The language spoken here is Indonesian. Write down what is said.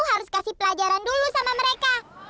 terima kasih justry